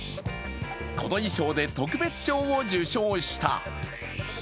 この衣装で特別賞を受賞した。